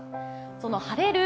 その晴れる